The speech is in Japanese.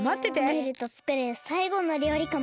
ムールとつくるさいごのりょうりかもしれないし。